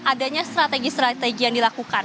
adanya strategi strategi yang dilakukan